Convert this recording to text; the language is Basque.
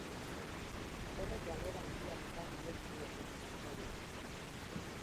Horrek galera handiak ekar liezaioke saltzaileari.